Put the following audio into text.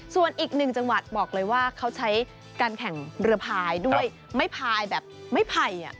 ส่วนอีกหนึ่งจังหวัดบอกเลยว่าเขาใช้การแข่งเรือพายด้วยไม้พายแบบไม้ไผ่